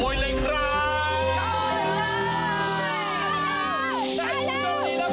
ได้โชคดีนะครับ